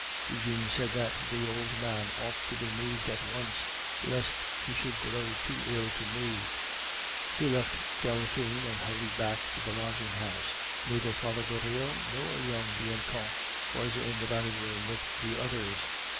Eugene said that the old man ought to be moved at once, lest he should grow too ill to move. He left Delphine and hurried back to the lodging house. Neither Father Goriot nor young Bianchon was in the dining room with the others.